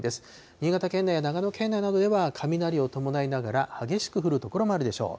新潟県内や長野県内などでは雷を伴いながら、激しく降る所もあるでしょう。